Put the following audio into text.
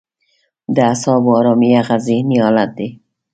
د اعصابو ارامي هغه ذهني حالت دی.